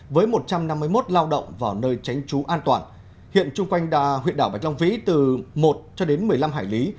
với một trăm năm mươi một lao động vào nơi tránh trú an toàn hiện chung quanh huyện đảo bạch long vĩ từ một cho đến một mươi năm hải lý